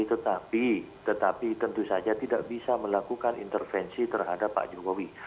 tetapi tetapi tentu saja tidak bisa melakukan intervensi terhadap pak jokowi